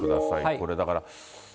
これ、だから。